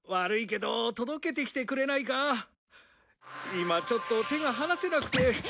今ちょっと手が離せなくて。